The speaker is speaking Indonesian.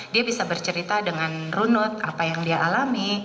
dia bisa bercerita dengan runut apa yang dia alami